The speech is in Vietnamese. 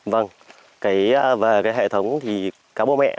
vâng về cái hệ thống thì cá bố mẹ